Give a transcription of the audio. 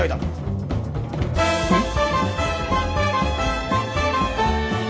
えっ？